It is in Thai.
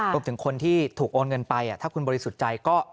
รวมถึงคนที่ถูกโอนเงินไปถ้าคุณบริสุทธิ์ใจก็